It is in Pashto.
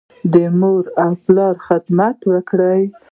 د مور او پلار خدمت وکړئ.